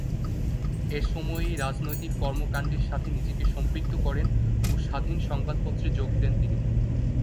এ সময়েই রাজনৈতিক কর্মকাণ্ডের সাথে নিজেকে সম্পৃক্ত করেন ও স্বাধীন সংবাদপত্রে যোগ দেন তিনি।